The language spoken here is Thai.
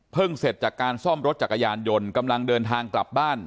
เสร็จจากการซ่อมรถจักรยานยนต์กำลังเดินทางกลับบ้าน